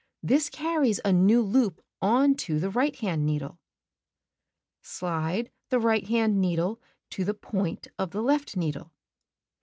This carries a new loop on to the right hand needle. Cut 5 Slide the right hand needle to the point of the left needle.